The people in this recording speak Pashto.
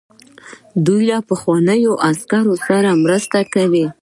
دوی له پخوانیو عسکرو سره مرسته کوي.